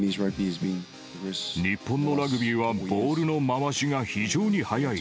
日本のラグビーは、ボールの回しが非常に速い。